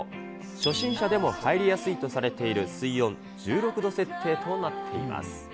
初心者でも入りやすいとされている水温１６度設定となっています。